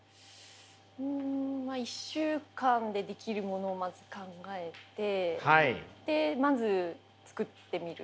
うん１週間でできるものをまず考えてでまず作ってみる。